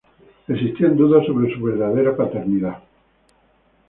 Existían dudas sobre su verdadera paternidad.